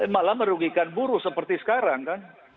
malah merugikan buruh seperti sekarang kan